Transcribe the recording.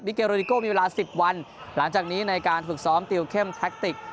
เกโรดิโก้มีเวลา๑๐วันหลังจากนี้ในการฝึกซ้อมติวเข้มแท็กติก